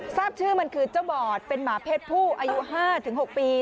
ทราบชื่อมันคือเจ้าบอดเป็นหมาเพศผู้อายุ๕๖ปี